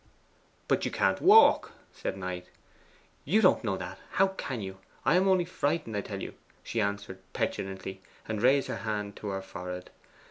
'But you can't walk,' said Knight. 'You don't know that; how can you? I am only frightened, I tell you,' she answered petulantly, and raised her hand to her forehead.